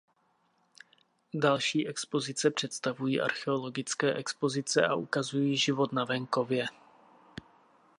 Další expozice představují archeologické expozice a ukazují život na venkově.